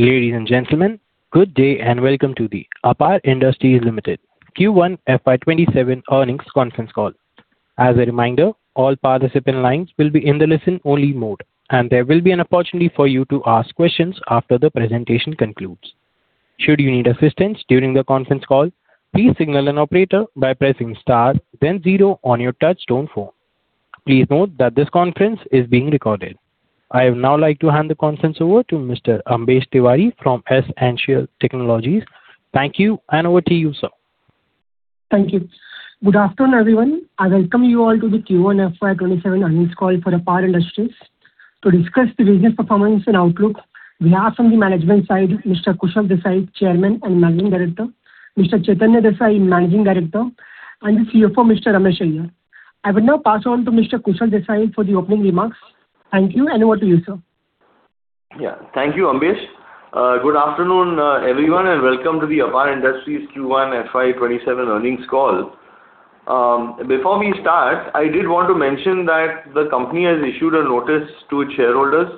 Ladies and gentlemen, good day and welcome to the APAR Industries Limited Q1 FY 2027 earnings conference call. As a reminder, all participant lines will be in the listen only mode, and there will be an opportunity for you to ask questions after the presentation concludes. Should you need assistance during the conference call, please signal an operator by pressing star then zero on your touch-tone phone. Please note that this conference is being recorded. I would now like to hand the conference over to Mr. Ambesh Tiwari from S-Ancial Technologies. Thank you, and over to you, sir. Thank you. Good afternoon, everyone. I welcome you all to the Q1 FY 2027 earnings call for APAR Industries to discuss the business performance and outlook. We have from the management side, Mr. Kushal Desai, Chairman and Managing Director, Mr. Chaitanya Desai, Managing Director, and the CFO, Mr. Ramesh Iyer. I will now pass on to Mr. Kushal Desai for the opening remarks. Thank you, and over to you, sir. Yeah. Thank you, Ambesh. Good afternoon, everyone, and welcome to the APAR Industries Q1 FY 2027 earnings call. Before we start, I did want to mention that the company has issued a notice to its shareholders,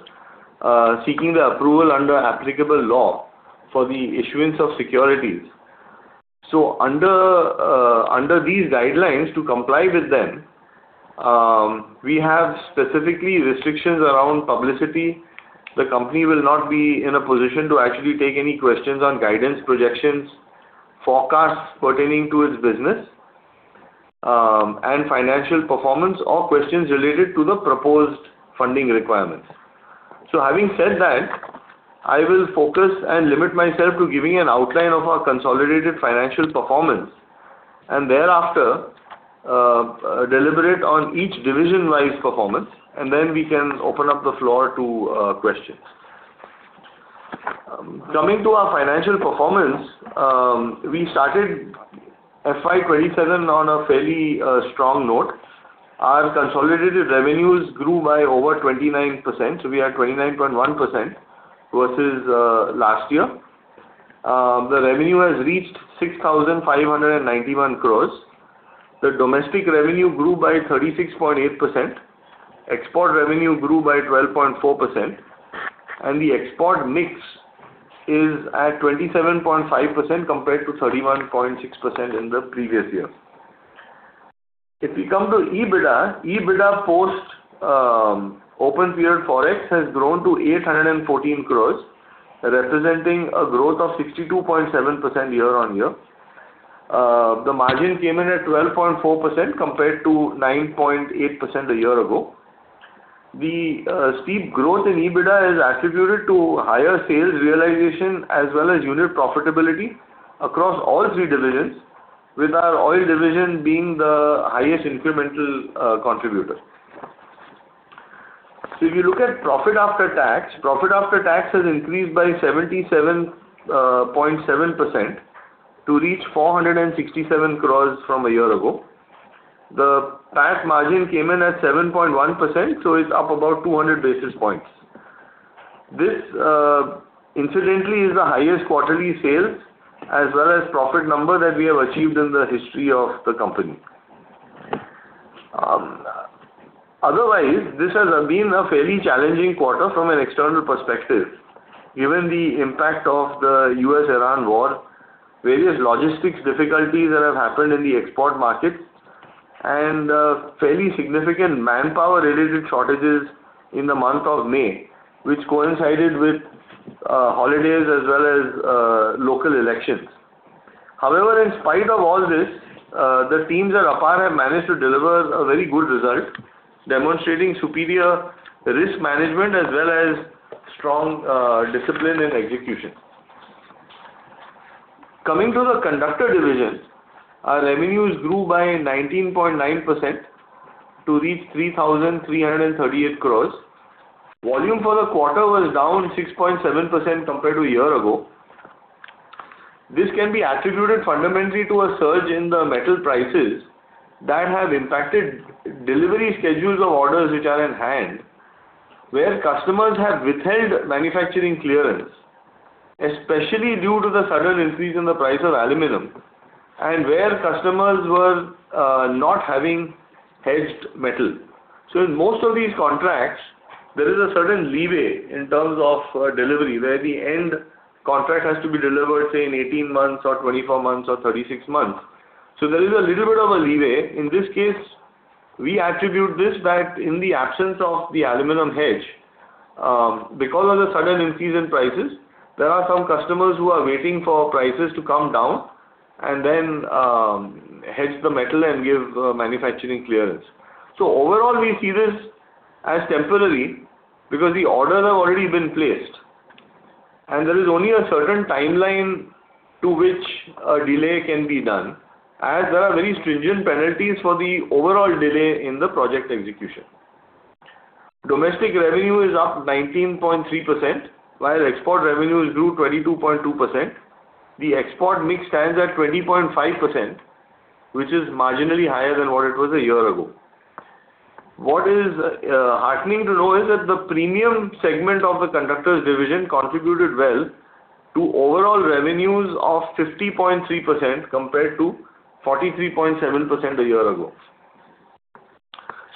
seeking their approval under applicable law for the issuance of securities. Under these guidelines, to comply with them, we have specifically restrictions around publicity. The company will not be in a position to actually take any questions on guidance, projections, forecasts pertaining to its business, and financial performance or questions related to the proposed funding requirements. Having said that, I will focus and limit myself to giving an outline of our consolidated financial performance and thereafter, deliberate on each division-wise performance, and then we can open up the floor to questions. Coming to our financial performance, we started FY 2027 on a fairly strong note. Our consolidated revenues grew by over 29%, so we are at 29.1% versus last year. The revenue has reached 6,591 crore. The domestic revenue grew by 36.8%. Export revenue grew by 12.4%, and the export mix is at 27.5% compared to 31.6% in the previous year. If we come to EBITDA post open period Forex has grown to 814 crore, representing a growth of 62.7% year-on-year. The margin came in at 12.4% compared to 9.8% a year ago. The steep growth in EBITDA is attributed to higher sales realization as well as unit profitability across all three divisions with our Oil division being the highest incremental contributor. If you look at profit after tax, profit after tax has increased by 77.7% to reach 467 crore from a year ago. The tax margin came in at 7.1%, so it's up about 200 basis points. This incidentally is the highest quarterly sales as well as profit number that we have achieved in the history of the company. This has been a fairly challenging quarter from an external perspective, given the impact of the U.S.-Iran war, various logistics difficulties that have happened in the export markets, and fairly significant manpower-related shortages in the month of May, which coincided with holidays as well as local elections. In spite of all this, the teams at APAR have managed to deliver a very good result, demonstrating superior risk management as well as strong discipline in execution. Coming to the Conductor division. Our revenues grew by 19.9% to reach 3,338 crore. Volume for the quarter was down 6.7% compared to a year ago. This can be attributed fundamentally to a surge in the metal prices that have impacted delivery schedules of orders which are in hand, where customers have withheld manufacturing clearance, especially due to the sudden increase in the price of aluminum and where customers were not having hedged metal. In most of these contracts, there is a certain leeway in terms of delivery where the end contract has to be delivered, say, in 18 months or 24 months or 36 months. There is a little bit of a leeway. In this case, we attribute this back in the absence of the aluminum hedge. Because of the sudden increase in prices, there are some customers who are waiting for prices to come down and then hedge the metal and give manufacturing clearance. Overall, we see this as temporary because the orders have already been placed, and there is only a certain timeline to which a delay can be done, as there are very stringent penalties for the overall delay in the project execution. Domestic revenue is up 19.3%, while export revenue grew 22.2%. The export mix stands at 20.5%, which is marginally higher than what it was a year ago. What is heartening to know is that the premium segment of the conductors division contributed well to overall revenues of 50.3% compared to 43.7% a year ago.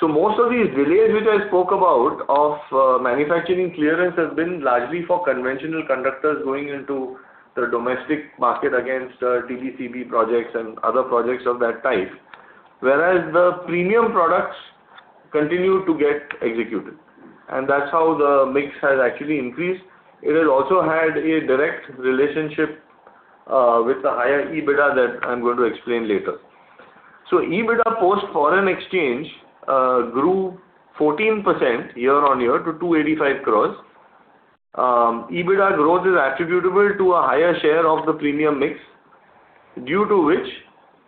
Most of these delays which I spoke about of manufacturing clearance has been largely for conventional conductors going into the domestic market against TBCB projects and other projects of that type. The premium products continue to get executed, and that's how the mix has actually increased. It has also had a direct relationship with the higher EBITDA that I'm going to explain later. EBITDA post foreign exchange grew 14% year-on-year to 285 crore. EBITDA growth is attributable to a higher share of the premium mix, due to which,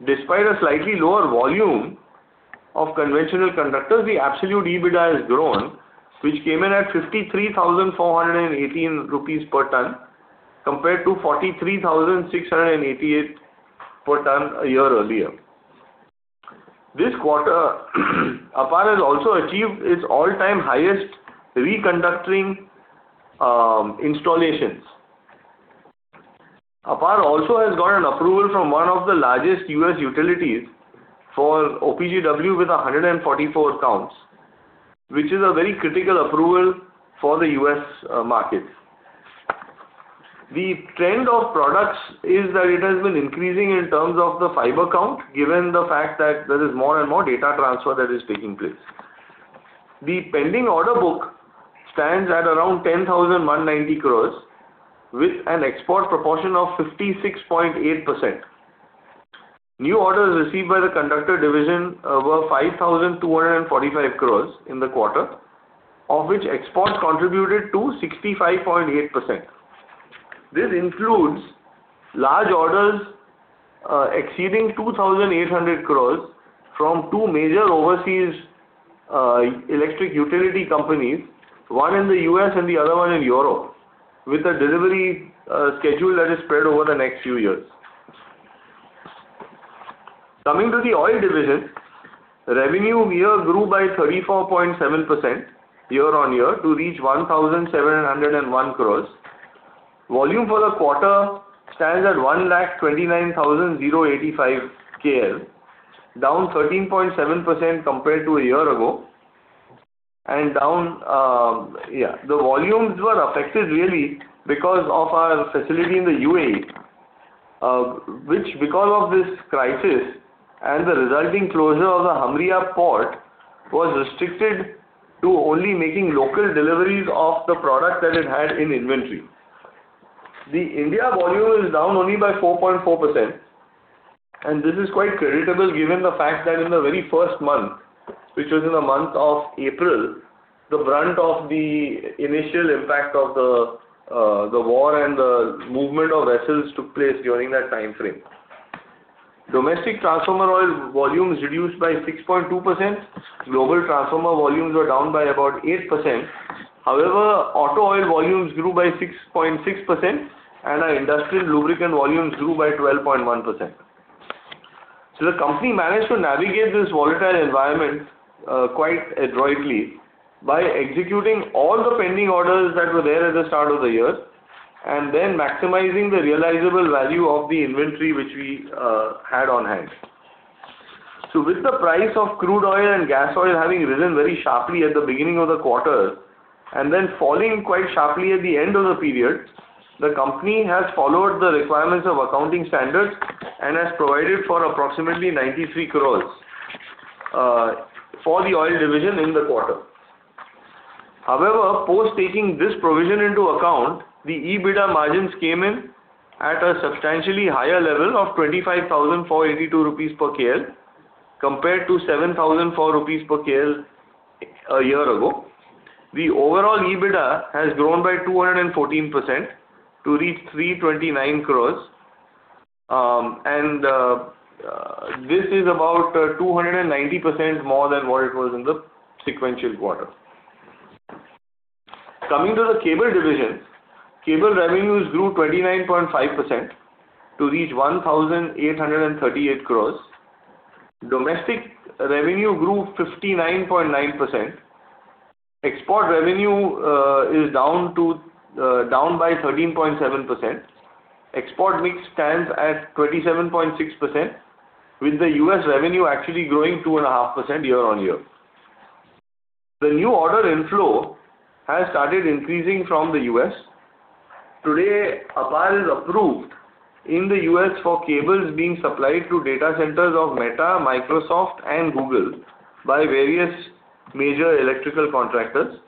despite a slightly lower volume of conventional conductors, the absolute EBITDA has grown, which came in at 53,418 rupees per ton compared to 43,688 per ton a year earlier. This quarter, APAR has also achieved its all-time highest reconductoring installations. APAR also has gotten approval from one of the largest U.S. utilities for OPGW with 144 counts, which is a very critical approval for the U.S. markets. The trend of products is that it has been increasing in terms of the fiber count, given the fact that there is more and more data transfer that is taking place. The pending order book stands at around 10,190 crore, with an export proportion of 56.8%. New orders received by the conductor division were 5,245 crore in the quarter, of which exports contributed to 65.8%. This includes large orders exceeding 2,800 crore from two major overseas electric utility companies, one in the U.S. and the other one in Europe, with a delivery schedule that is spread over the next few years. Coming to the Oil division. Revenue here grew by 34.7% year-over-year to reach 1,701 crore. Volume for the quarter stands at 129,085 KL, down 13.7% compared to a year ago. The volumes were affected really because of our facility in the U.A.E., which, because of this crisis and the resulting closure of the Hamriyah Port, was restricted to only making local deliveries of the product that it had in inventory. The India volume is down only by 4.4%, and this is quite creditable given the fact that in the very first month which was in the month of April, the brunt of the initial impact of the war and the movement of vessels took place during that time frame. Domestic transformer oil volumes reduced by 6.2%. Global transformer volumes were down by about 8%. However, auto oil volumes grew by 6.6%, and our industrial lubricant volumes grew by 12.1%. The company managed to navigate this volatile environment quite adroitly by executing all the pending orders that were there at the start of the year, and then maximizing the realizable value of the inventory which we had on hand. With the price of crude oil and gas oil having risen very sharply at the beginning of the quarter and then falling quite sharply at the end of the period, the company has followed the requirements of accounting standards and has provided for approximately 93 crore for the Oil division in the quarter. However, post taking this provision into account, the EBITDA margins came in at a substantially higher level of 25,482 rupees per KL, compared to 7,004 rupees per KL a year ago. The overall EBITDA has grown by 214% to reach 329 crore, and this is about 290% more than what it was in the sequential quarter. Coming to the Cable division, cable revenues grew 29.5% to reach 1,838 crore. Domestic revenue grew 59.9%. Export revenue is down by 13.7%. Export mix stands at 27.6%, with the U.S. revenue actually growing 2.5% year-over-year. The new order inflow has started increasing from the U.S. Today, APAR is approved in the U.S. for cables being supplied to data centers of Meta, Microsoft and Google by various major electrical contractors.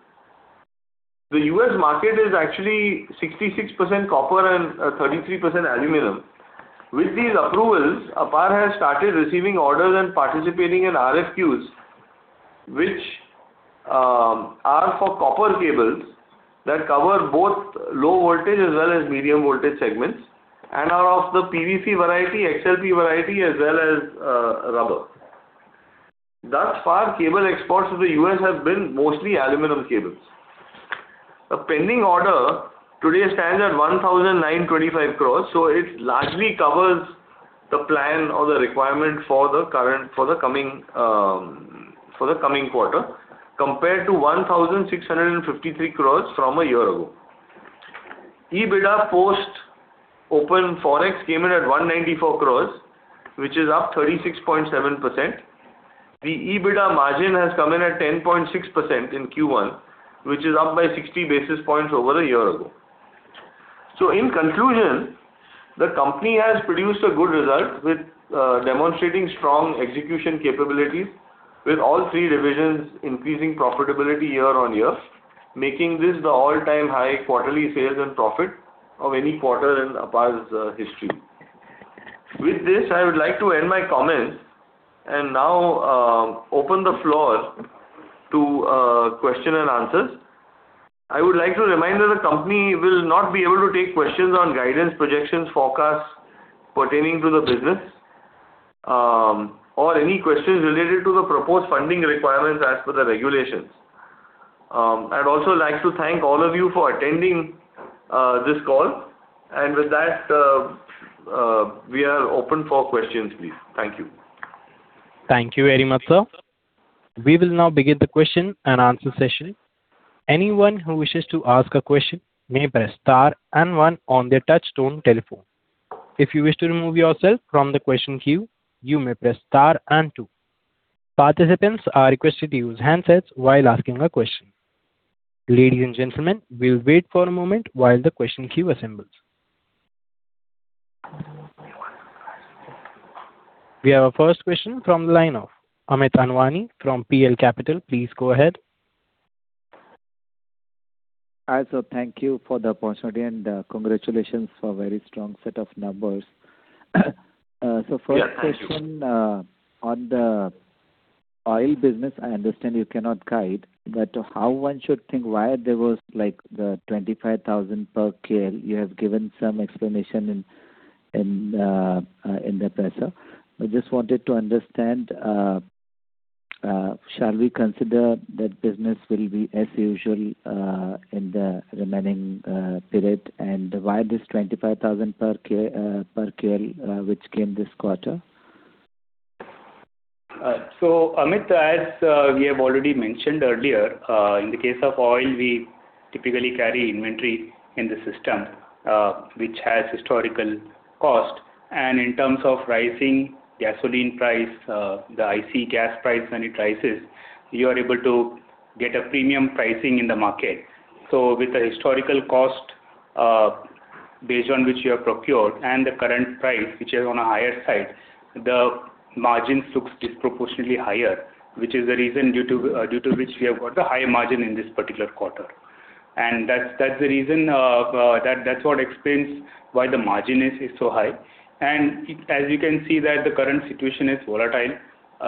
The U.S. market is actually 66% copper and 33% aluminum. With these approvals, APAR has started receiving orders and participating in RFQs, which are for copper cables that cover both low voltage as well as medium voltage segments and are of the PVC variety, XLPE variety as well as rubber. Thus far, cable exports to the U.S. have been mostly aluminum cables. The pending order today stands at 1,925 crore. It largely covers the plan or the requirement for the coming quarter, compared to 1,653 crore from a year ago. EBITDA post open period Forex came in at 194 crore, which is up 36.7%. The EBITDA margin has come in at 10.6% in Q1, which is up by 60 basis points over a year ago. In conclusion, the company has produced a good result with demonstrating strong execution capabilities with all three divisions increasing profitability year-on-year, making this the all-time high quarterly sales and profit of any quarter in APAR's history. With this, I would like to end my comments and now open the floor to question-and-answers. I would like to remind that the company will not be able to take questions on guidance, projections, forecasts pertaining to the business, or any questions related to the proposed funding requirements as per the regulations. I'd also like to thank all of you for attending this call. With that, we are open for questions, please. Thank you. Thank you very much, sir. We will now begin the question-and-answer session. Anyone who wishes to ask a question may press star and one on their touchtone telephone. If you wish to remove yourself from the question queue, you may press star and two. Participants are requested to use handsets while asking a question. Ladies and gentlemen, we'll wait for a moment while the question queue assembles. We have our first question from the line of Amit Anwani from PL Capital. Please go ahead. Hi, sir. Thank you for the opportunity and congratulations for a very strong set of numbers. First question on the Oil business, I understand you cannot guide, but how one should think why there was the 25,000 per KL? You have given some explanation in the presser. I just wanted to understand, shall we consider that business will be as usual in the remaining period? Why this 25,000 per KL which came this quarter? Amit, as we have already mentioned earlier, in the case of oil, we typically carry inventory in the system, which has historical cost. In terms of rising gasoline price, the ICE gas price when it rises, you are able to get a premium pricing in the market. With the historical cost based on which you have procured and the current price, which is on a higher side, the margin looks disproportionately higher, which is the reason due to which we have got the higher margin in this particular quarter. That's what explains why the margin is so high. As you can see that the current situation is volatile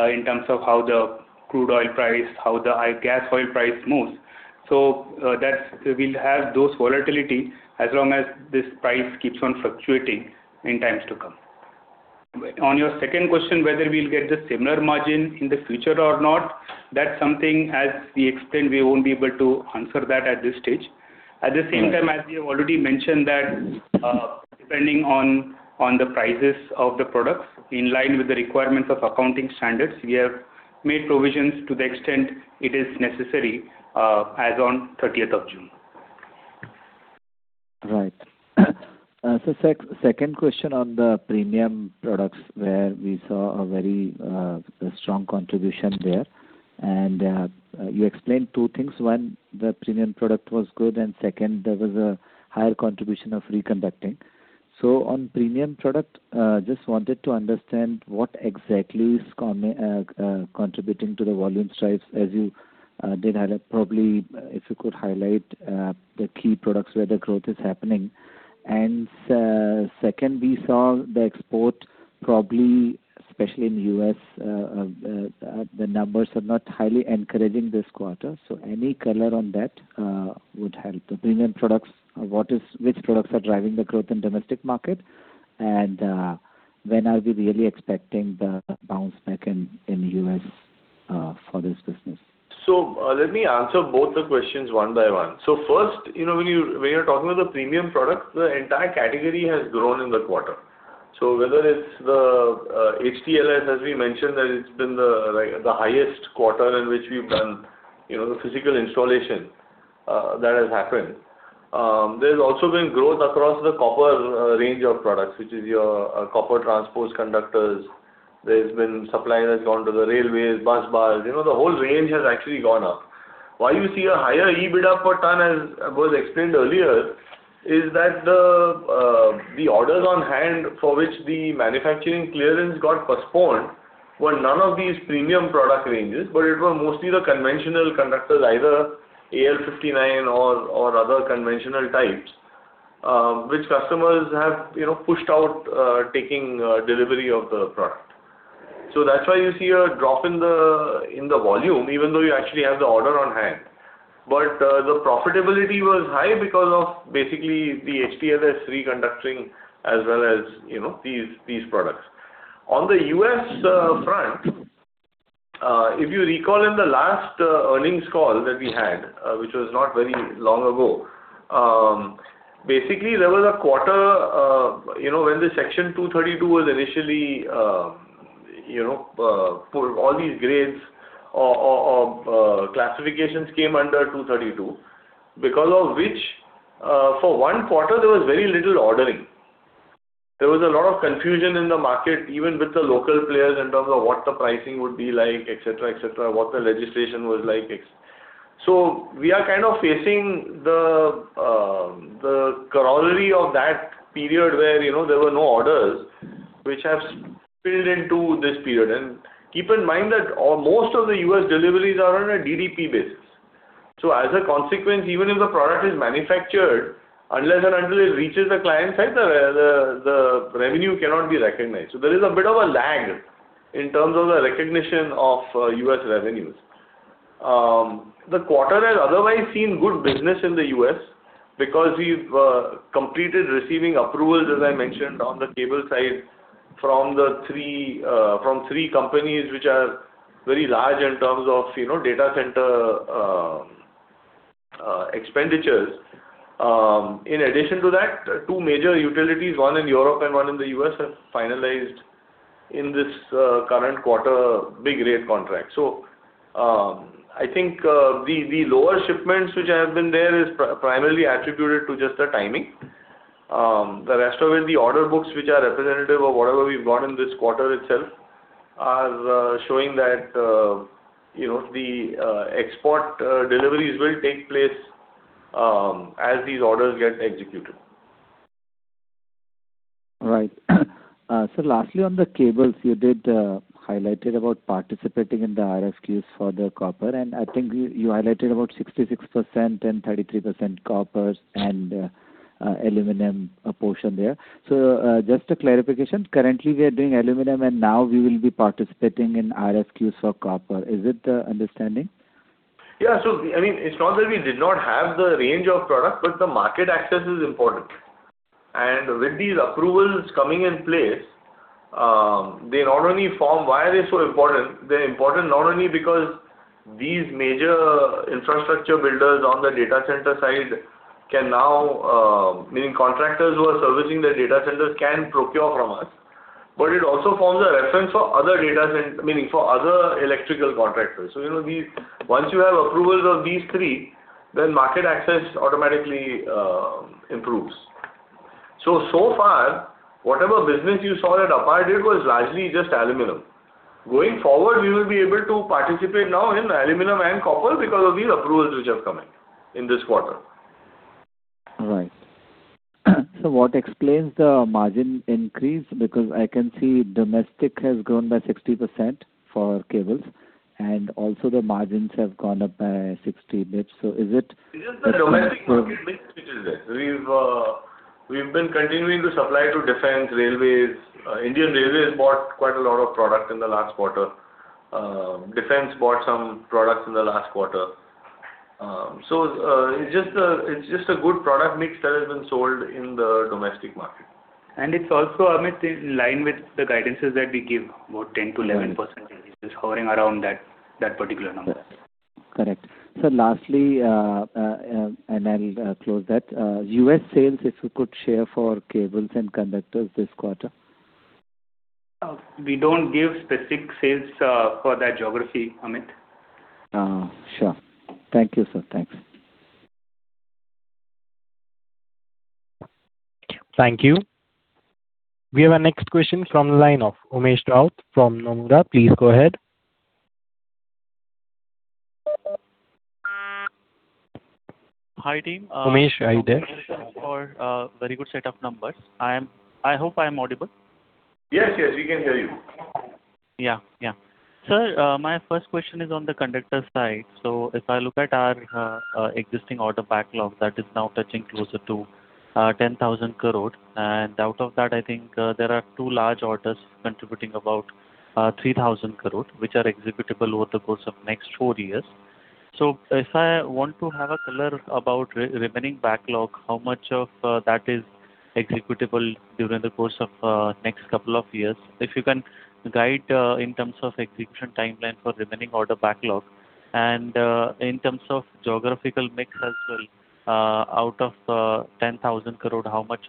in terms of how the crude oil price, how the gas oil price moves. We'll have those volatility as long as this price keeps on fluctuating in times to come. On your second question, whether we'll get the similar margin in the future or not, that's something, as we explained, we won't be able to answer that at this stage. At the same time, as we have already mentioned that, depending on the prices of the products, in line with the requirements of accounting standards, we have made provisions to the extent it is necessary as on June 30th. Right. Second question on the premium products, where we saw a very strong contribution there. You explained two things. One, the premium product was good, and second, there was a higher contribution of reconductoring. On premium product, just wanted to understand what exactly is contributing to the volume drives as you did highlight. Probably, if you could highlight the key products where the growth is happening. Second, we saw the export probably especially in U.S., the numbers are not highly encouraging this quarter. Any color on that would help. The premium products, which products are driving the growth in domestic market, and when are we really expecting the bounce back in U.S. for this business? Let me answer both the questions one by one. First, when you're talking about the premium product, the entire category has grown in that quarter. Whether it's the HTLS, as we mentioned, that it's been the highest quarter in which we've done the physical installation that has happened. There's also been growth across the copper range of products, which is your copper transport conductors. There's been supply that has gone to the railways, bus bars, the whole range has actually gone up. Why you see a higher EBITDA per ton, as was explained earlier, is that the orders on hand for which the manufacturing clearance got postponed were none of these premium product ranges, but it was mostly the conventional conductors, either AL-59 or other conventional types, which customers have pushed out taking delivery of the product. That's why you see a drop in the volume, even though you actually have the order on hand. The profitability was high because of basically the HTLS reconductoring as well as these products. On the U.S. front, if you recall in the last earnings call that we had, which was not very long ago, basically there was a quarter when the Section 232 was initially. All these grades or classifications came under 232. Because of which, for one quarter, there was very little ordering. There was a lot of confusion in the market, even with the local players, in terms of what the pricing would be like, etc. What the legislation was like. We are kind of facing the corollary of that period where there were no orders, which have spilled into this period. Keep in mind that most of the U.S. deliveries are on a DDP basis. As a consequence, even if the product is manufactured, unless and until it reaches the client side, the revenue cannot be recognized. There is a bit of a lag in terms of the recognition of U.S. revenues. The quarter has otherwise seen good business in the U.S. because we've completed receiving approvals, as I mentioned, on the cable side from three companies which are very large in terms of data center expenditures. In addition to that, two major utilities, one in Europe and one in the U.S., have finalized in this current quarter a big rate contract. I think the lower shipments which have been there is primarily attributed to just the timing. The rest of it, the order books which are representative of whatever we've got in this quarter itself are showing that the export deliveries will take place as these orders get executed. Right. Lastly, on the cables, you did highlight about participating in the RFQs for the copper, and I think you highlighted about 66% and 33% coppers and aluminum portion there. Just a clarification. Currently, we are doing aluminum, and now we will be participating in RFQs for copper. Is it the understanding? Yeah. It's not that we did not have the range of product, but the market access is important. With these approvals coming in place, why are they so important? They're important not only because these major infrastructure builders on the data center side can now, meaning contractors who are servicing the data centers can procure from us, but it also forms a reference for other electrical contractors. Once you have approvals of these three, market access automatically improves. So far, whatever business you saw that APAR did was largely just aluminum. Going forward, we will be able to participate now in aluminum and copper because of these approvals which have come in this quarter. Right. What explains the margin increase? Because I can see domestic has grown by 60% for cables, also the margins have gone up by 60 basis points. Is It is the domestic mix, which is there? We've been continuing to supply to defense, railways. Indian Railways bought quite a lot of product in the last quarter. Defense bought some products in the last quarter. It's just a good product mix that has been sold in the domestic market. It's also, Amit, in line with the guidances that we give, about 10%-11% increase. It's hovering around that particular number. Correct. Sir, lastly, I'll close that. U.S. sales, if you could share for cables and conductors this quarter. We don't give specific sales for that geography, Amit. Sure. Thank you, sir. Thanks. Thank you. We have our next question from the line of Umesh Raut from Nomura. Please go ahead. Hi, team. Umesh, are you there? Very good set of numbers. I hope I am audible. Yes, we can hear you. Sir, my first question is on the conductor side. If I look at our existing order backlog, that is now touching closer to 10,000 crore, and out of that, I think there are two large orders contributing about 3,000 crore, which are executable over the course of next four years. If I want to have a color about remaining backlog, how much of that is executable during the course of next couple of years? If you can guide in terms of execution timeline for remaining order backlog, and in terms of geographical mix as well, out of 10,000 crore, how much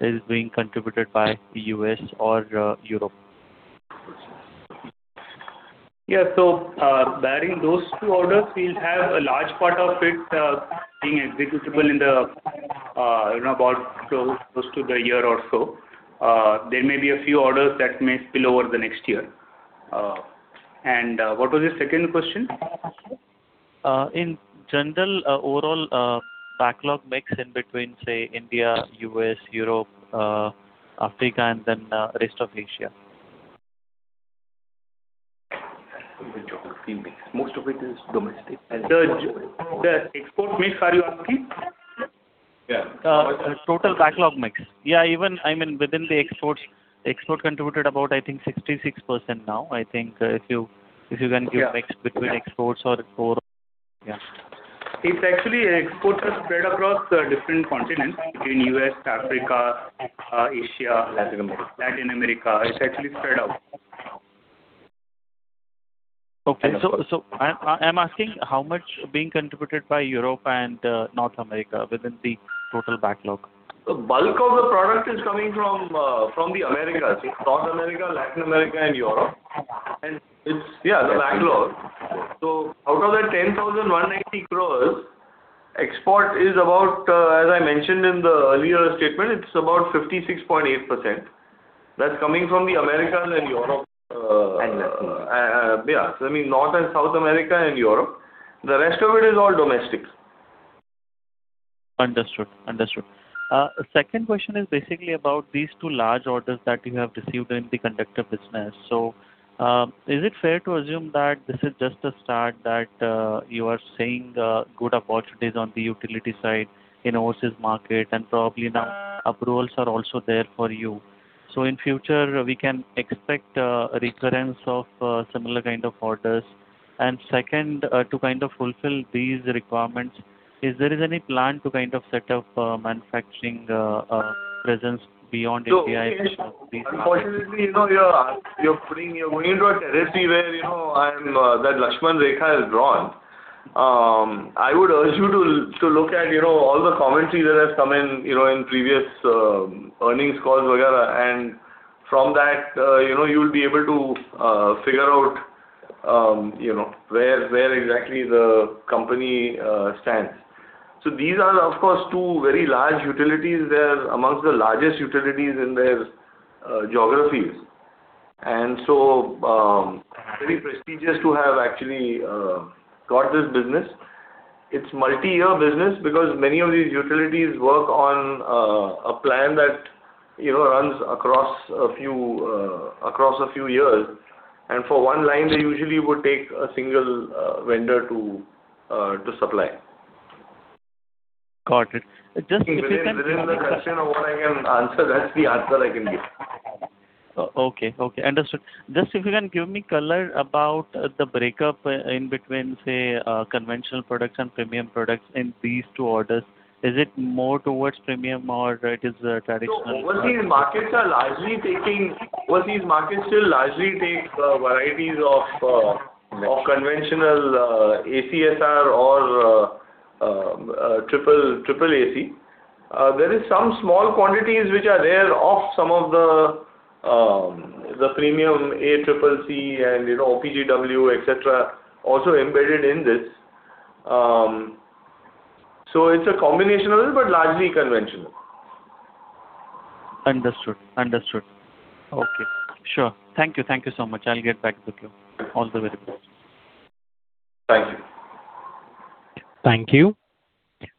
is being contributed by U.S. or Europe? Yeah, barring those two orders, we will have a large part of it being executable in about close to a year or so. There may be a few orders that may spill over the next year. What was your second question? In general, overall backlog mix in between, say, India, U.S., Europe, Africa, and then rest of Asia. Even geography mix. Most of it is domestic. The export mix, are you asking? Yeah. Total backlog mix. Yeah, even within the exports. Export contributed about, I think, 66% now. I think if you can give mix between exports or core. Actually, exports are spread across different continents between U.S., Africa, Asia. Latin America. Latin America. It's actually spread out. Okay. I'm asking how much being contributed by Europe and North America within the total backlog. The bulk of the product is coming from the Americas. North America, Latin America, and Europe. It's the backlog. Out of that 10,190 crore, export is about, as I mentioned in the earlier statement, it's about 56.8%. That's coming from the Americas and Europe. [inaudible] Yeah. I mean, North and South America and Europe. The rest of it is all domestic. Understood. Second question is basically about these two large orders that you have received in the conductor business. Is it fair to assume that this is just a start that you are seeing good opportunities on the utility side in overseas market and probably now approvals are also there for you. In future, we can expect a recurrence of similar kind of orders. Second, to fulfill these requirements, is there any plan to set up manufacturing presence beyond APAR? Unfortunately, you're going into a territory where that Lakshman Rekha is drawn. I would urge you to look at all the commentary that has come in previous earnings calls, from that, you'll be able to figure out where exactly the company stands. These are, of course, two very large utilities. They are amongst the largest utilities in their geographies. Very prestigious to have actually got this business. It's multi-year business because many of these utilities work on a plan that runs across a few years, and for one line, they usually would take a single vendor to supply. Got it. Just if you can- Within the question of what I can answer, that's the answer I can give. Okay. Understood. Just if you can give me color about the breakup in between, say, conventional products and premium products in these two orders. Is it more towards premium or it is traditional? Overall, these markets still largely take varieties of conventional ACSR or Triple AC. There is some small quantities which are there of some of the premium ACCC and OPGW, etc, also embedded in this. It's a combination of it, but largely conventional. Understood. Okay. Sure. Thank you so much. I'll get back with you. All the very best. Thank you.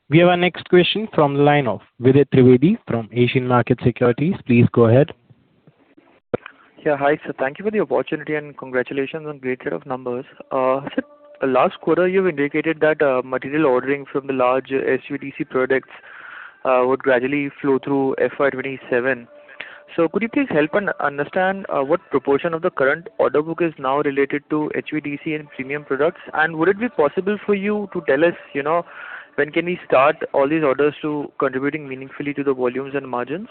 We have our next question from the line of Vidit Trivedi from Asian Market Securities. Please go ahead. Yeah. Hi, sir. Thank you for the opportunity, and congratulations on great set of numbers. Sir, last quarter you indicated that material ordering from the large HVDC products would gradually flow through FY 2027. Could you please help understand what proportion of the current order book is now related to HVDC and premium products? Would it be possible for you to tell us when can we start all these orders to contributing meaningfully to the volumes and margins?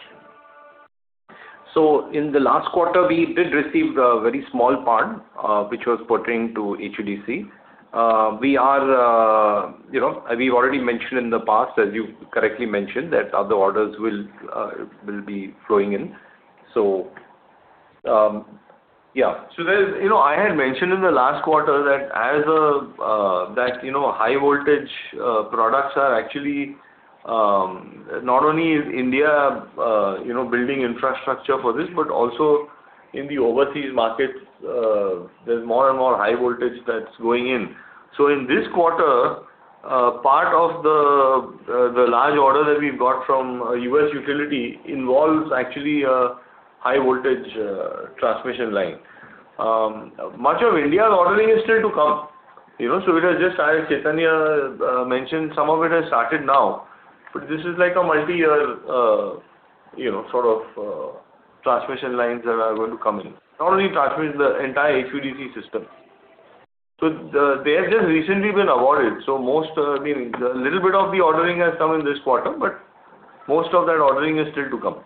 In the last quarter, we did receive a very small part, which was pertaining to HVDC. We've already mentioned in the past, as you correctly mentioned, that other orders will be flowing in. Yeah. I had mentioned in the last quarter that high voltage products are actually, not only is India building infrastructure for this, but also in the overseas markets, there's more and more high voltage that's going in. In this quarter, part of the large order that we've got from U.S. utility involves actually a high voltage transmission line. Much of India's ordering is still to come. It has just, as Chaitanya mentioned, some of it has started now, but this is like a multi-year sort of transmission lines that are going to come in. Not only transmission, the entire HVDC system. They have just recently been awarded, so a little bit of the ordering has come in this quarter, but most of that ordering is still to come.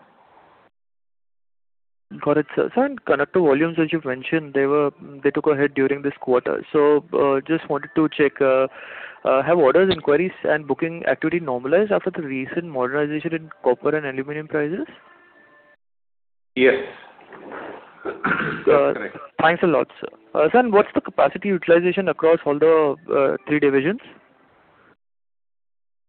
Got it, sir. Sir, in conductor volumes, as you've mentioned, they took a hit during this quarter. Just wanted to check, have orders, inquiries, and booking activity normalized after the recent moderation in copper and aluminum prices? Yes. That's correct. Thanks a lot, sir. Sir, what's the capacity utilization across all the three divisions?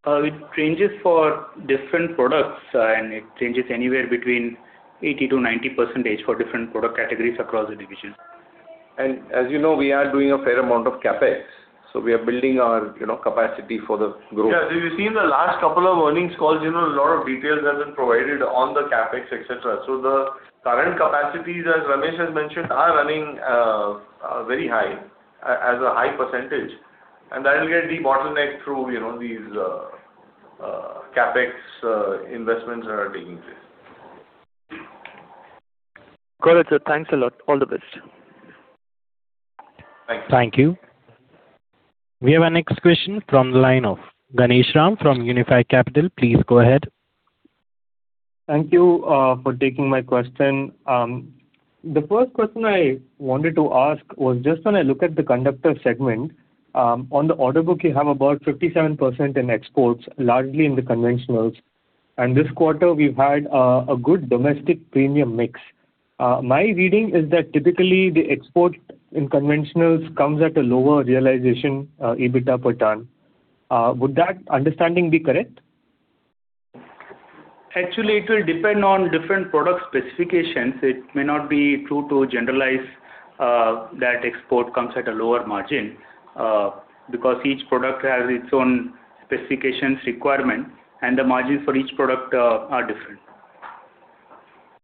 It ranges for different products, it ranges anywhere between 80%-90% for different product categories across the divisions. As you know, we are doing a fair amount of CapEx, so we are building our capacity for the growth. Yeah. You've seen the last couple of earnings calls, a lot of details have been provided on the CapEx, etc. The current capacities, as Ramesh has mentioned, are running very high, as a high percentage, and that will get de-bottlenecked through these CapEx investments that are taking place. Got it, sir. Thanks a lot. All the best. Thanks. Thank you. We have our next question from the line of Ganeshram from Unifi Capital. Please go ahead. Thank you for taking my question. The first question I wanted to ask was just when I look at the conductor segment, on the order book you have about 57% in exports, largely in the conventionals. This quarter, we've had a good domestic premium mix. My reading is that typically the export in conventionals comes at a lower realization EBITDA per ton. Would that understanding be correct? Actually, it will depend on different product specifications. It may not be true to generalize that export comes at a lower margin, because each product has its own specifications requirement, and the margins for each product are different.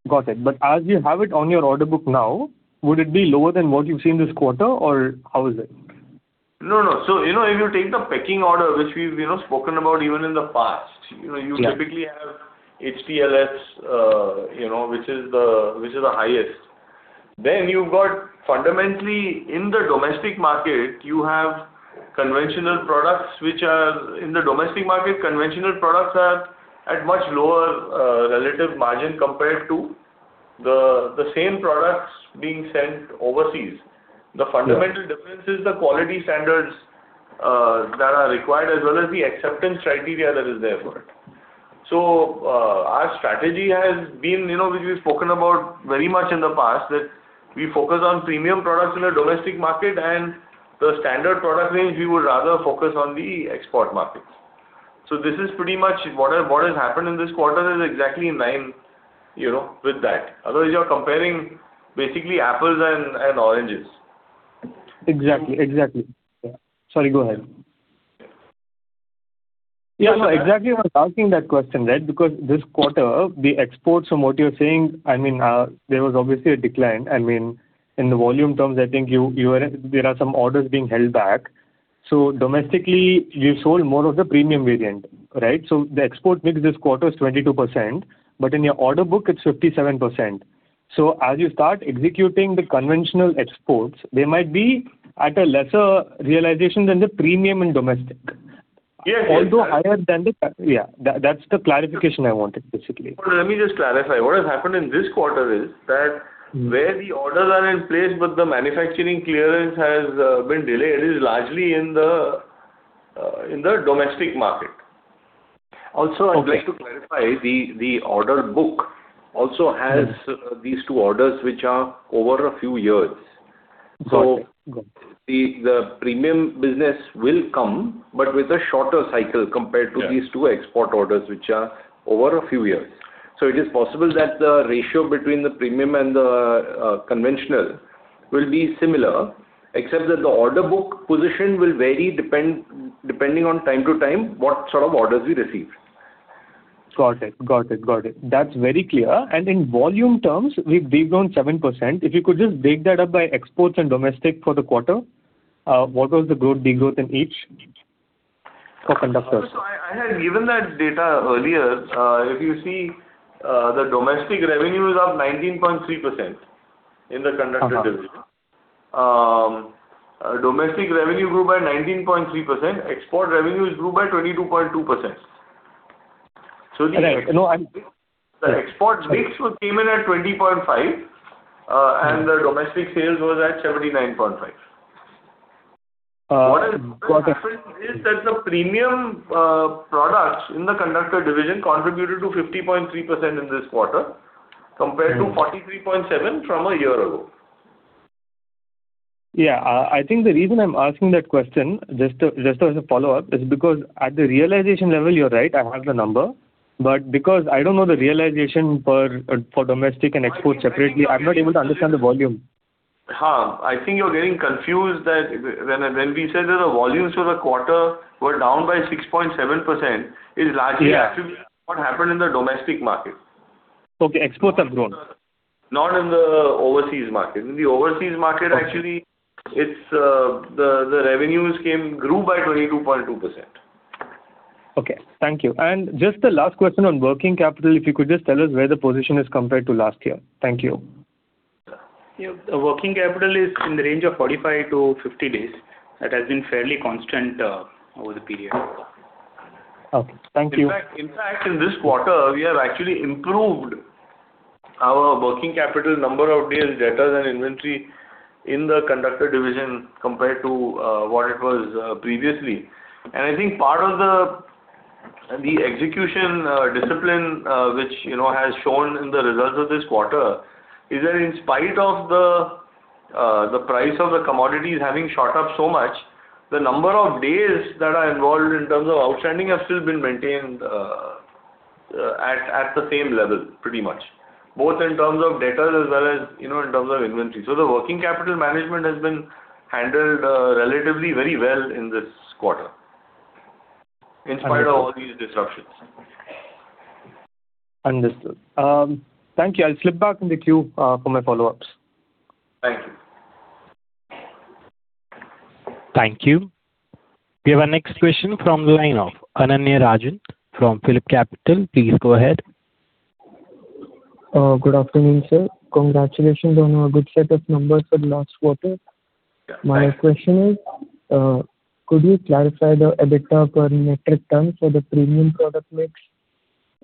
Got it. As you have it on your order book now, would it be lower than what you've seen this quarter, or how is it? No, no. If you take the pecking order, which we've spoken about even in the past. Yeah. You typically have HTLS which is the highest. You've got fundamentally in the domestic market, you have conventional products, which are in the domestic market, conventional products are at much lower relative margin compared to the same products being sent overseas. Yeah. The fundamental difference is the quality standards that are required as well as the acceptance criteria that is there for it. Our strategy has been, which we've spoken about very much in the past, that we focus on premium products in the domestic market, and the standard product range, we would rather focus on the export markets. This is pretty much what has happened in this quarter is exactly in line with that. Otherwise, you're comparing basically apples and oranges. Exactly. Exactly. Sorry, go ahead. Exactly, I was asking that question, right? Because this quarter, the exports from what you're saying, there was obviously a decline. In the volume terms, I think there are some orders being held back. Domestically, you sold more of the premium variant, right? The export mix this quarter is 22%, but in your order book it's 57%. As you start executing the conventional exports, they might be at a lesser realization than the premium in domestic. Yes. That's the clarification I wanted, basically. Let me just clarify. What has happened in this quarter is that where the orders are in place, but the manufacturing clearance has been delayed, it is largely in the domestic market. Also, I'd like to clarify the order book also has these two orders which are over a few years. Got it. The premium business will come, but with a shorter cycle compared to these two export orders, which are over a few years. It is possible that the ratio between the premium and the conventional will be similar, except that the order book position will vary depending on time to time, what sort of orders we receive. Got it. That's very clear. In volume terms, we've de-grown 7%. If you could just break that up by exports and domestic for the quarter, what was the growth, de-growth in each for conductors? I had given that data earlier. If you see, the domestic revenue is up 19.3% in the conductor division. Domestic revenue grew by 19.3%. Export revenues grew by 22.2%. No. The export mix came in at 20.5%, and the domestic sales was at 79.5%. Got it. What is different is that the premium products in the conductor division contributed to 50.3% in this quarter, compared to 43.7% from a year ago. Yeah. I think the reason I'm asking that question, just as a follow-up, is because at the realization level, you're right, I have the number, but because I don't know the realization for domestic and export separately, I'm not able to understand the volume. I think you're getting confused that when we said that the volumes for the quarter were down by 6.7%, it is largely attributed- Yeah. ...what happened in the domestic market. Okay. Exports have grown. Not in the overseas market. In the overseas market, actually, the revenues grew by 22.2%. Okay. Thank you. Just the last question on working capital, if you could just tell us where the position is compared to last year. Thank you. Yeah. The working capital is in the range of 45-50 days. That has been fairly constant over the period. Okay. Thank you. In fact, in this quarter, we have actually improved our working capital number of days, debtors and inventory in the conductor division, compared to what it was previously. I think part of the execution discipline, which has shown in the results of this quarter, is that in spite of the price of the commodities having shot up so much, the number of days that are involved in terms of outstanding have still been maintained at the same level, pretty much. Both in terms of debtors as well as in terms of inventory. The working capital management has been handled relatively very well in this quarter, in spite of all these disruptions. Understood. Thank you. I'll slip back in the queue for my follow-ups. Thank you. Thank you. We have our next question from the line of [Anand Rajan] from PhillipCapital. Please go ahead. Good afternoon, sir. Congratulations on a good set of numbers for the last quarter. My question is, could you clarify the EBITDA per metric ton for the premium product mix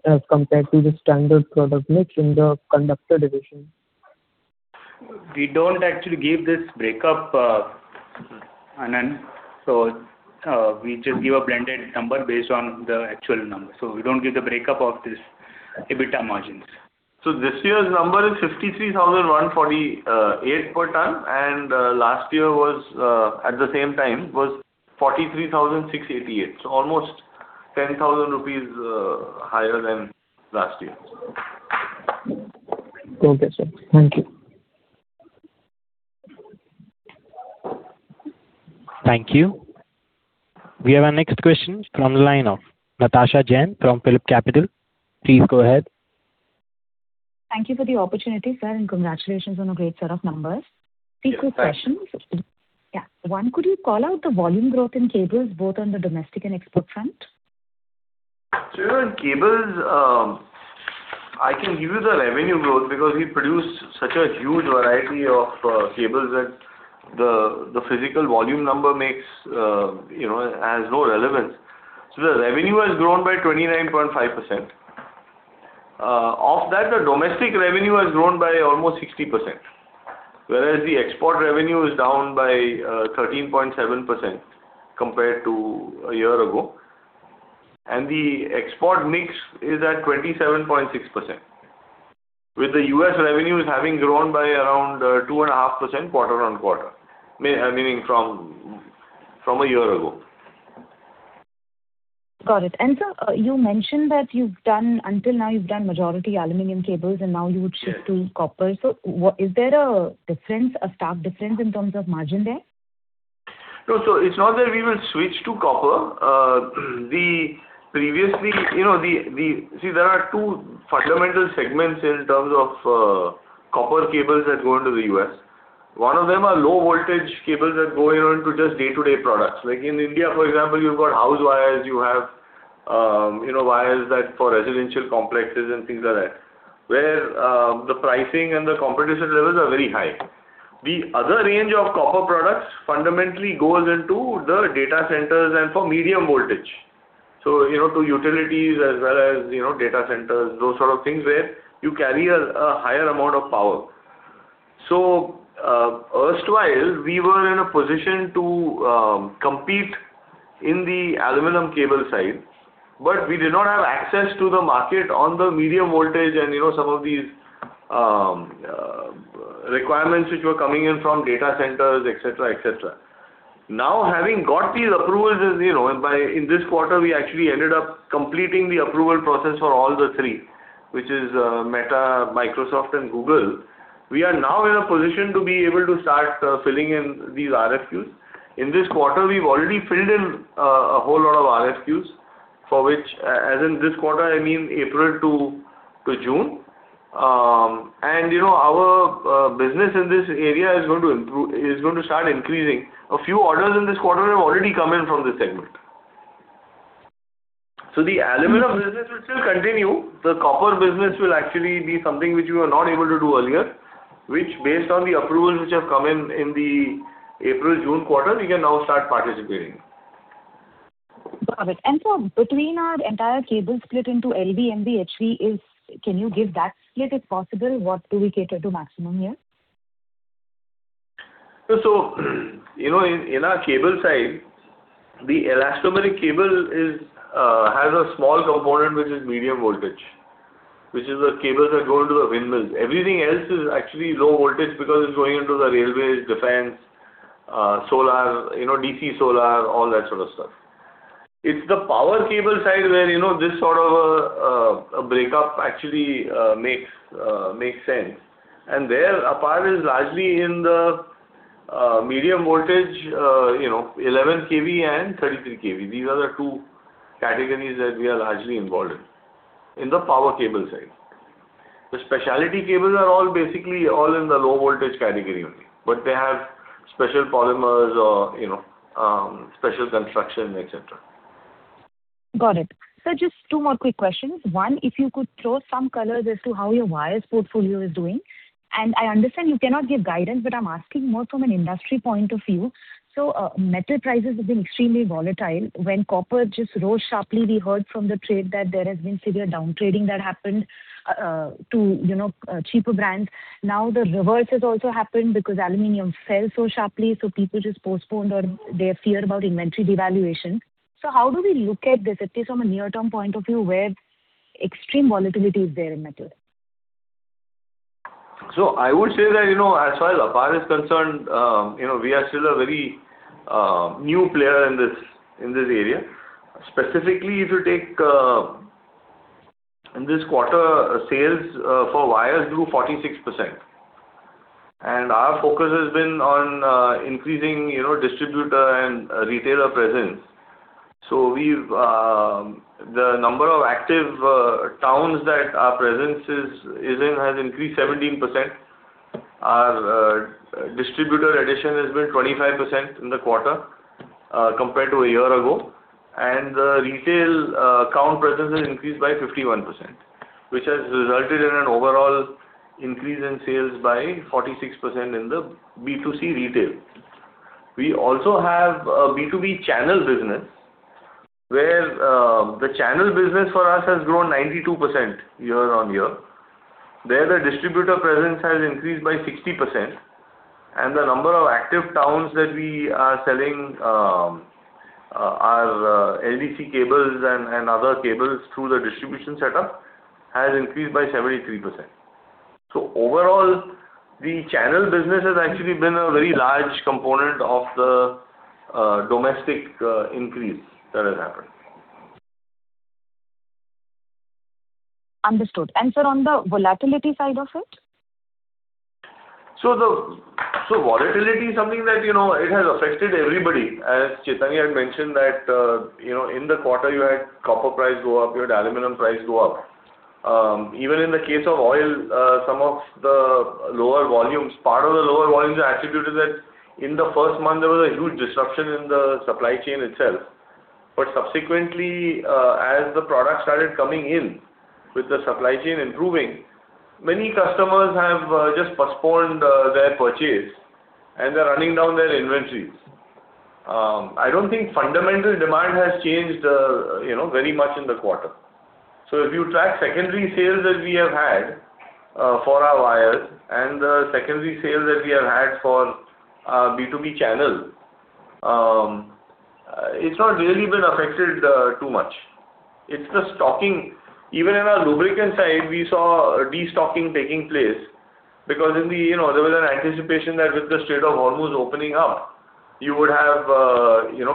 as compared to the standard product mix in the conductor division? We don't actually give this breakup, Anand. We just give a blended number based on the actual numbers. We don't give the breakup of these EBITDA margins. This year's number is 53,418 per ton, and last year at the same time it was 43,688. Almost 10,000 rupees higher than last year. Okay, sir. Thank you. Thank you. We have our next question from the line of Natasha Jain from PhillipCapital. Please go ahead. Thank you for the opportunity, sir, and congratulations on a great set of numbers. Yes, thanks. Three quick questions. Yeah. One, could you call out the volume growth in cables, both on the domestic and export front? Sure. In cables, I can give you the revenue growth because we produce such a huge variety of cables that the physical volume number has no relevance. The revenue has grown by 29.5%. Of that, the domestic revenue has grown by almost 60%, whereas the export revenue is down by 13.7% compared to a year ago. The export mix is at 27.6%, with the U.S. revenues having grown by around 2.5% quarter-on-quarter, meaning from a year ago. Got it. Sir, you mentioned that until now you've done majority aluminum cables, and now you would- Yeah. ...shift to copper. Is there a stark difference in terms of margin there? No, it's not that we will switch to copper. See, there are two fundamental segments in terms of copper cables that go into the U.S. One of them are low voltage cables that go into just day-to-day products. Like in India, for example, you've got house wires, you have wires that for residential complexes and things like that, where the pricing and the competition levels are very high. The other range of copper products fundamentally goes into the data centers and for medium voltage. To utilities as well as data centers, those sort of things, where you carry a higher amount of power. Erstwhile, we were in a position to compete in the aluminum cable side, but we did not have access to the market on the medium voltage and some of these requirements which were coming in from data centers, etc. Now having got these approvals, in this quarter, we actually ended up completing the approval process for all the three, which is Meta, Microsoft and Google. We are now in a position to be able to start filling in these RFQs. In this quarter, we've already filled in a whole lot of RFQs. As in this quarter, I mean April to June. Our business in this area is going to start increasing. A few orders in this quarter have already come in from this segment. The aluminum business will still continue. The copper business will actually be something which we were not able to do earlier, which based on the approvals which have come in the April, June quarter, we can now start participating. Got it. Sir, between our entire cable split into LV, MV, HV, can you give that split if possible? What do we cater to maximum here? In our cable side, the elastomeric cable has a small component, which is medium voltage, which is the cables that go into the windmills. Everything else is actually low voltage because it's going into the railways, defense, DC solar, all that sort of stuff. It's the power cable side where this sort of a breakup actually makes sense. There, APAR is largely in the medium voltage, 11 kV and 33 kV. These are the two categories that we are largely involved in the power cable side. The specialty cables are all basically all in the low voltage category only, but they have special polymers or special construction, etc. Got it. Sir, just two more quick questions. One, if you could throw some color as to how your wires portfolio is doing, and I understand you cannot give guidance, but I'm asking more from an industry point of view. Metal prices have been extremely volatile. When copper just rose sharply, we heard from the trade that there has been severe downtrading that happened to cheaper brands. The reverse has also happened because aluminum fell so sharply, so people just postponed or they fear about inventory devaluation. How do we look at this, at least from a near-term point of view, where extreme volatility is there in metal? I would say that, as far as APAR is concerned, we are still a very new player in this area. Specifically, if you take, in this quarter, sales for wires grew 46%. Our focus has been on increasing distributor and retailer presence. The number of active towns that our presence is in has increased 17%. Our distributor addition has been 25% in the quarter compared to a year ago. The retail count presence has increased by 51%, which has resulted in an overall increase in sales by 46% in the B2C retail. We also have a B2B channel business, where the channel business for us has grown 92% year-on-year. There, the distributor presence has increased by 60%, and the number of active towns that we are selling our LV cables and other cables through the distribution setup has increased by 73%. Overall, the channel business has actually been a very large component of the domestic increase that has happened. Understood. Sir, on the volatility side of it? Volatility is something that has affected everybody. As Chaitanya had mentioned that, in the quarter you had copper price go up, you had aluminum price go up. Even in the case of oil, some of the lower volumes, part of the lower volumes are attributed that in the first month, there was a huge disruption in the supply chain itself. Subsequently, as the product started coming in with the supply chain improving, many customers have just postponed their purchase and they're running down their inventories. I don't think fundamental demand has changed very much in the quarter. If you track secondary sales that we have had for our wires and the secondary sales that we have had for our B2B channel, it's not really been affected too much. It's the stocking. Even in our lubricant side, we saw de-stocking taking place because there was an anticipation that with the Strait of Hormuz opening up, you would have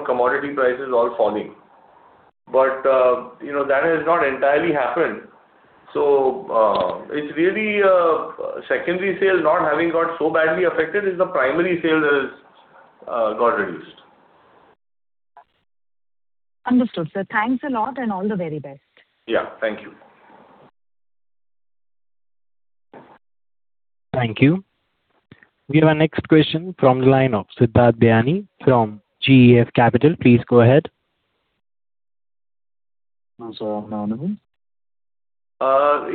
commodity prices all falling. That has not entirely happened. It's really secondary sales not having got so badly affected, it's the primary sales that has got reduced. Understood, sir. Thanks a lot, and all the very best. Yeah, thank you. Thank you. We have our next question from the line of Siddhartha Biyanee from GEF Capital. Please go ahead. I'm sorry,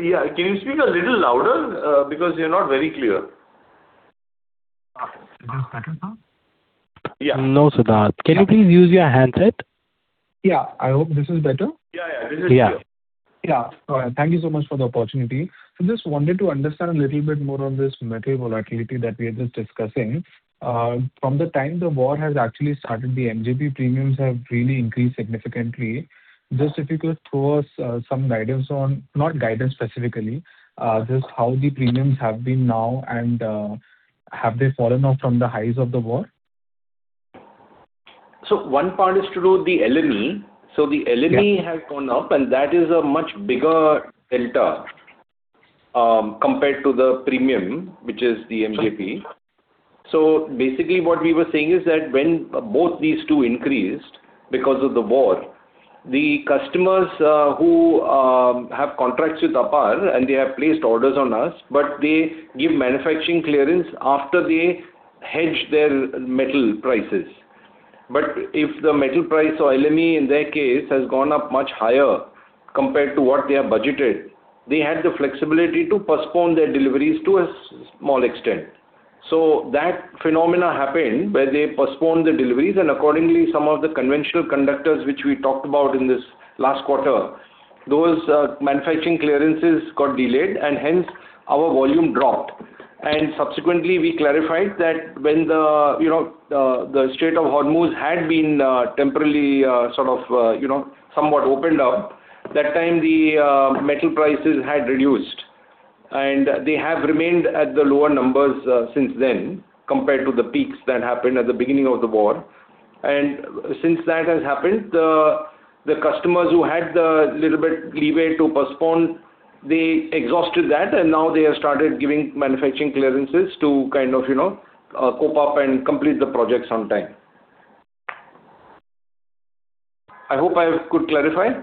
Yeah. Can you speak a little louder? Because you're not very clear. Is this better now? Yeah. No, Siddhartha. Can you please use your handset? Yeah. I hope this is better. Yeah. This is clear. Yeah. Yeah. All right. Thank you so much for the opportunity. I just wanted to understand a little bit more on this metal volatility that we are just discussing. From the time the war has actually started, the MJP premiums have really increased significantly. Just if you could throw us some guidance on, not guidance specifically, just how the premiums have been now, and have they fallen off from the highs of the war? One part is to do with the LME. The LME has gone up, and that is a much bigger delta compared to the premium, which is the MJP. Basically, what we were saying is that when both these two increased because of the war, the customers who have contracts with APAR and they have placed orders on us, but they give manufacturing clearance after they hedge their metal prices. If the metal price or LME, in their case, has gone up much higher compared to what they have budgeted, they had the flexibility to postpone their deliveries to a small extent. That phenomena happened, where they postponed the deliveries, and accordingly, some of the conventional conductors which we talked about in this last quarter, those manufacturing clearances got delayed, and hence our volume dropped. Subsequently, we clarified that when the Strait of Hormuz had been temporarily somewhat opened up, that time the metal prices had reduced. They have remained at the lower numbers since then compared to the peaks that happened at the beginning of the war. Since that has happened, the customers who had the little bit leeway to postpone, they exhausted that, and now they have started giving manufacturing clearances to cope up and complete the projects on time. I hope I could clarify.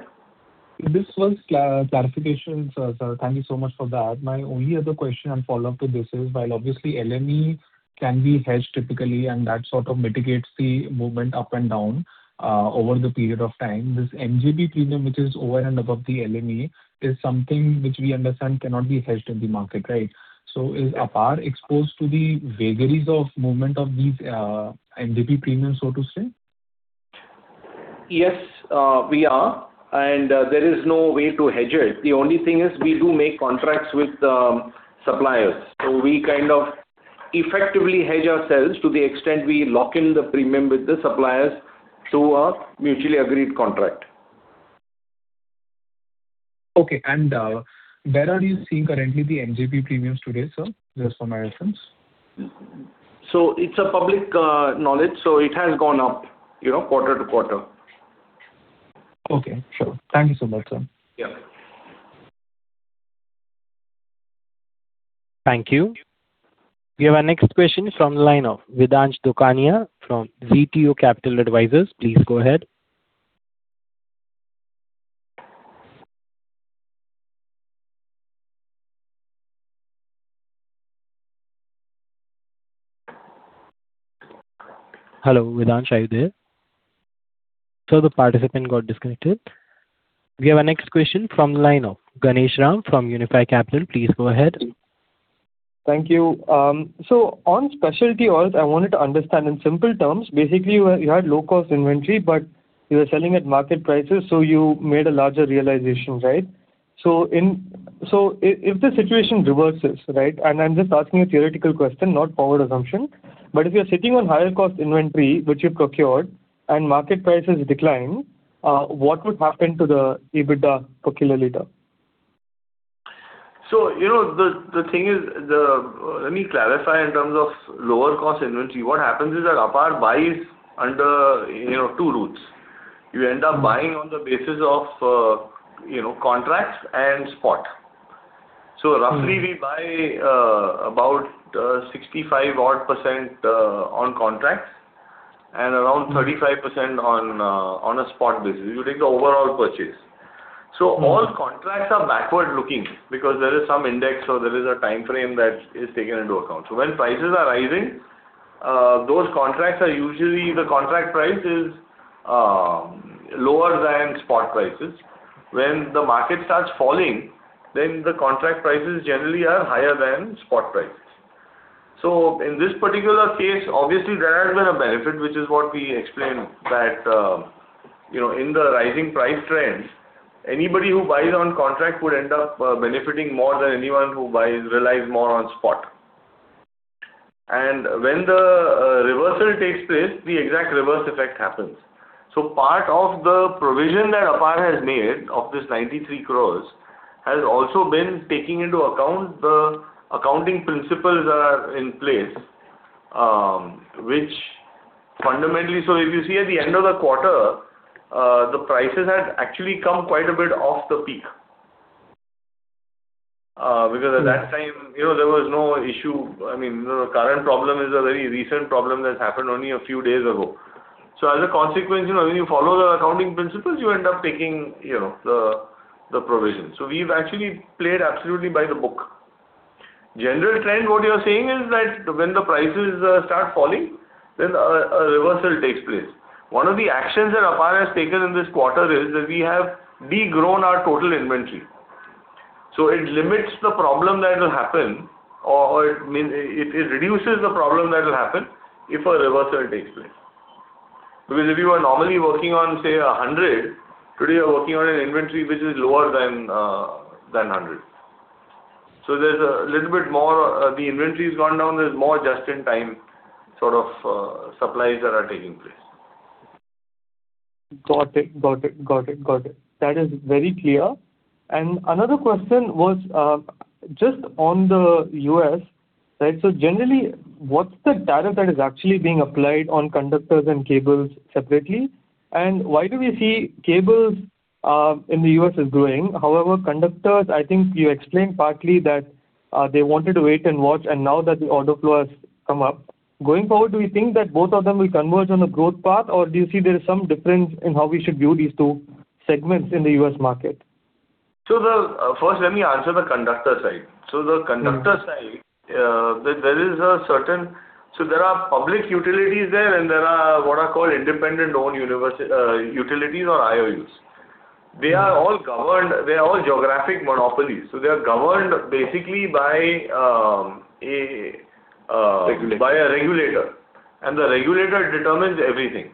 This was clarification, sir. Thank you so much for that. My only other question and follow-up to this is, while obviously LME can be hedged typically, and that sort of mitigates the movement up and down over the period of time, this MJP premium, which is over and above the LME, is something which we understand cannot be hedged in the market, right? Is APAR exposed to the vagaries of movement of these MJP premiums, so to say? Yes, we are. There is no way to hedge it. The only thing is we do make contracts with suppliers. We kind of effectively hedge ourselves to the extent we lock in the premium with the suppliers to a mutually agreed contract. Okay. Where are you seeing currently the MJP premiums today, sir? Just for my reference. It's a public knowledge. It has gone up quarter-to-quarter. Okay, sure. Thank you so much, sir. Yeah. Thank you. We have our next question from the line of Vedansh Dokania from VTO Capital Advisers. Please go ahead. Hello, Vedansh, are you there? The participant got disconnected. We have our next question from the line of Ganeshram from Unifi Capital. Please go ahead. Thank you. On specialty oils, I wanted to understand in simple terms, basically, you had low-cost inventory, but you were selling at market prices, so you made a larger realization, right? If the situation reverses, right, and I'm just asking a theoretical question, not forward assumption, but if you're sitting on higher cost inventory, which you've procured and market prices decline, what would happen to the EBITDA per KL? The thing is, let me clarify in terms of lower cost inventory. What happens is that APAR buys under two routes. You end up buying on the basis of contracts and spot. Roughly we buy about 65% odd on contracts and around 35% on a spot basis. You take the overall purchase. All contracts are backward-looking because there is some index or there is a time frame that is taken into account. When prices are rising, those contracts are usually the contract price is lower than spot prices. When the market starts falling, then the contract prices generally are higher than spot prices. In this particular case, obviously, there has been a benefit, which is what we explained, that in the rising price trends, anybody who buys on contract would end up benefiting more than anyone who buys, relies more on spot. When the reversal takes place, the exact reverse effect happens. Part of the provision that APAR has made of this 93 crore has also been taking into account the accounting principles are in place. If you see at the end of the quarter, the prices had actually come quite a bit off the peak, because at that time there was no issue. I mean, the current problem is a very recent problem that's happened only a few days ago. As a consequence, when you follow the accounting principles, you end up taking the provision. We've actually played absolutely by the book. General trend, what you're saying is that when the prices start falling, then a reversal takes place. One of the actions that APAR has taken in this quarter is that we have de-grown our total inventory. It limits the problem that will happen, or it reduces the problem that will happen if a reversal takes place. Because if you are normally working on, say, 100, today you're working on an inventory which is lower than 100. There's a little bit more. The inventory's gone down. There's more just-in-time sort of supplies that are taking place. Got it. That is very clear. Another question was just on the U.S., generally, what's the tariff that is actually being applied on conductors and cables separately? Why do we see cables in the U.S. is growing, however, conductors, I think you explained partly that they wanted to wait and watch, and now that the order flow has come up. Going forward, do you think that both of them will converge on a growth path, or do you see there is some difference in how we should view these two segments in the U.S. market? First let me answer the conductor side. The conductor side, so there are public utilities there, and there are what are called Investor-Owned Utilities or IOUs. They are all geographic monopolies. They are governed basically by a- Regulator. ....by a regulator. The regulator determines everything.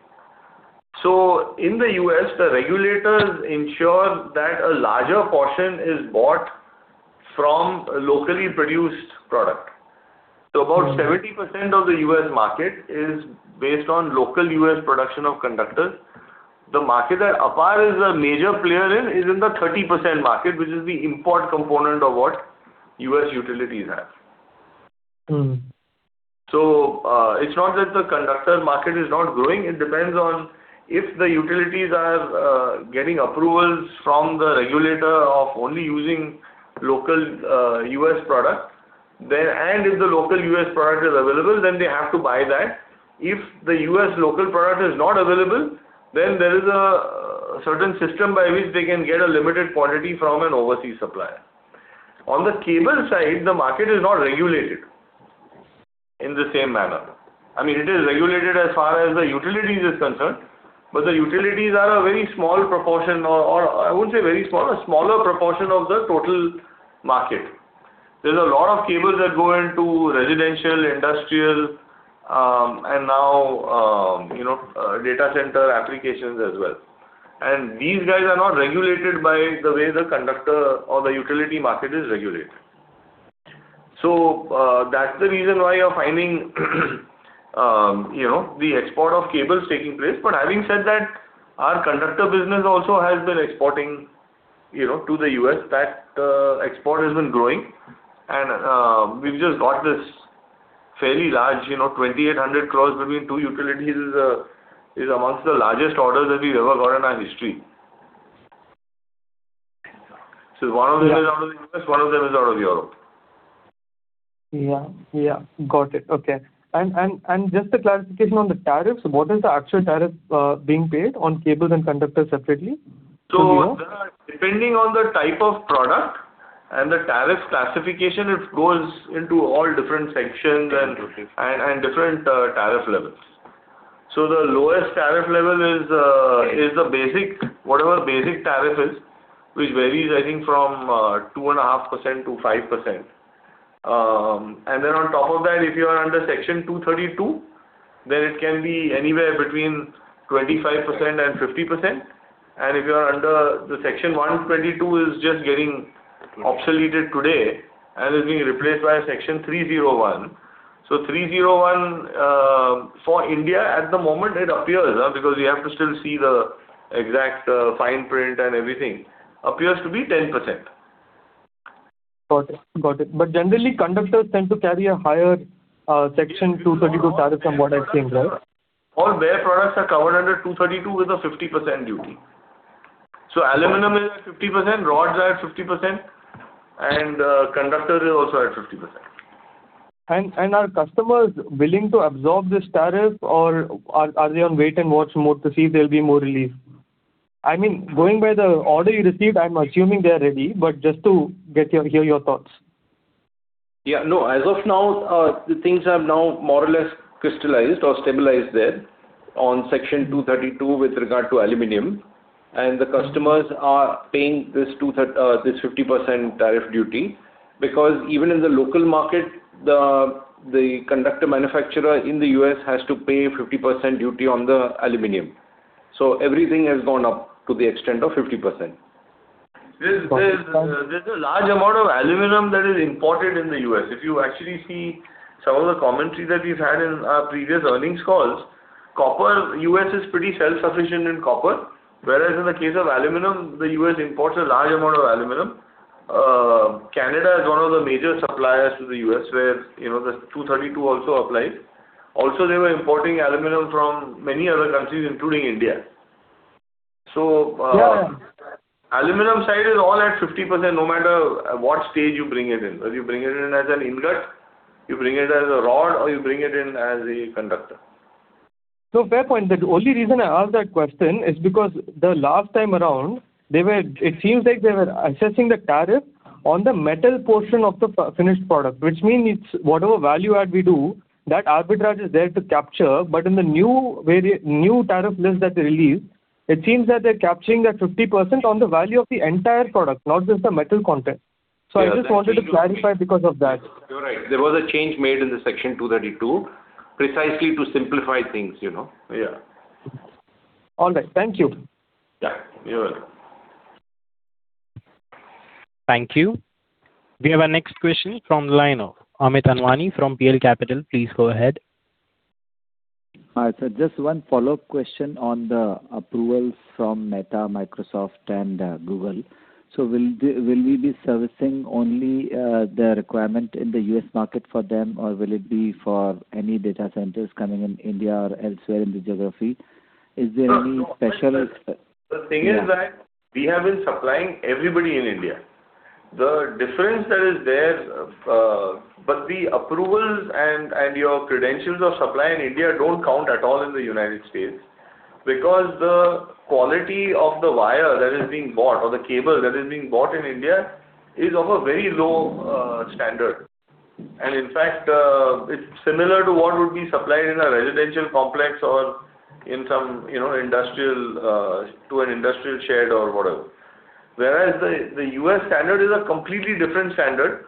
In the U.S., the regulators ensure that a larger portion is bought from a locally produced product. About 70% of the U.S. market is based on local U.S. production of conductors. The market that APAR is a major player in is in the 30% market, which is the import component of what U.S. utilities have. It's not that the conductor market is not growing. It depends on if the utilities are getting approvals from the regulator of only using local U.S. product. If the local U.S. product is available, then they have to buy that. If the U.S. local product is not available, then there is a certain system by which they can get a limited quantity from an overseas supplier. On the cable side, the market is not regulated in the same manner. I mean, it is regulated as far as the utilities is concerned, but the utilities are a very small proportion or, I wouldn't say very small, a smaller proportion of the total market. There's a lot of cables that go into residential, industrial, and now data center applications as well. These guys are not regulated by the way the conductor or the utility market is regulated. That's the reason why you're finding the export of cables taking place. Having said that, our conductor business also has been exporting to the U.S. That export has been growing, and we've just got this fairly large, 2,800 crore between two utilities is amongst the largest orders that we've ever gotten in our history. One of them is out of the U.S., one of them is out of Europe. Yeah. Got it. Okay. Just a clarification on the tariffs. What is the actual tariff being paid on cables and conductors separately from you? Depending on the type of product and the tariff classification, it goes into all different sections and different tariff levels. The lowest tariff level is whatever the basic tariff is, which varies, I think, from 2.5%-5%. Then on top of that, if you are under Section 232, then it can be anywhere between 25% and 50%. If you are under Section 122, it is just getting obsoleted today and is being replaced by Section 301. Section 301, for India at the moment it appears, because we have to still see the exact fine print and everything, appears to be 10%. Got it. Generally, conductors tend to carry a higher Section 232 tariff from what I've seen, right? All bare products are covered under Section 232 with a 50% duty. Aluminum is at 50%, rods are at 50%, and conductors are also at 50%. Are customers willing to absorb this tariff or are they on wait and watch mode to see if there'll be more relief? I mean, going by the order you received, I'm assuming they are ready, but just to hear your thoughts. As of now, the things have now more or less crystallized or stabilized there on Section 232 with regard to aluminum, and the customers are paying this 50% tariff duty. Because even in the local market, the conductor manufacturer in the U.S. has to pay 50% duty on the aluminum. Everything has gone up to the extent of 50%. There's a large amount of aluminum that is imported in the U.S. If you actually see some of the commentary that we've had in our previous earnings calls, the U.S. is pretty self-sufficient in copper, whereas in the case of aluminum, the U.S. imports a large amount of aluminum. Canada is one of the major suppliers to the U.S., where the 232 also applies. They were importing aluminum from many other countries, including India. Yeah. Aluminum side is all at 50%, no matter what stage you bring it in. Whether you bring it in as an ingot, you bring it in as a rod, or you bring it in as a conductor. Fair point. The only reason I asked that question is because the last time around, it seems like they were assessing the tariff on the metal portion of the finished product, which means whatever value add we do, that arbitrage is there to capture. In the new tariff list that they released, it seems that they're capturing that 50% on the value of the entire product, not just the metal content. I just wanted to clarify because of that. You're right. There was a change made in the Section 232 precisely to simplify things. Yeah. All right. Thank you. Yeah. You're welcome. Thank you. We have our next question from the line of Amit Anwani from PL Capital. Please go ahead. Hi, sir. Just one follow-up question on the approval from Meta, Microsoft, and Google. Will we be servicing only the requirement in the U.S. market for them, or will it be for any data centers coming in India or elsewhere in the geography? Is there any special- The thing is that we have been supplying everybody in India. The difference that is there, but the approvals and your credentials of supply in India don't count at all in the U.S. because the quality of the wire that is being bought or the cable that is being bought in India is of a very low standard. In fact, it's similar to what would be supplied in a residential complex or to an industrial shed or whatever. Whereas the U.S. standard is a completely different standard,